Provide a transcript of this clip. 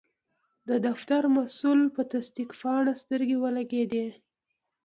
د فتر مسول په تصدیق پاڼه سترګې ولګیدې.